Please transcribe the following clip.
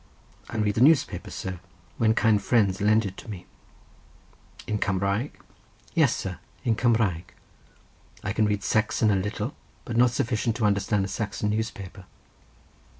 "I read the newspaper, sir, when kind friends lend it to me." "In Cumraeg?" "Yes, sir, in Cumraeg. I can read Saxon a little, but not sufficient to understand a Saxon newspaper."